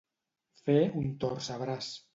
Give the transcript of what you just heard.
Fer un torcebraç.